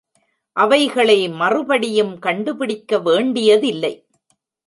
அவைகளை மறுபடியும் கண்டுபிடிக்க வேண்டியதில்லை.